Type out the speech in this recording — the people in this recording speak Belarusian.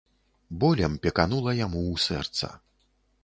Болем пеканула яму ў сэрца.